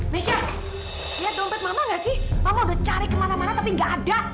michel lihat dompet mama gak sih mama udah cari kemana mana tapi nggak ada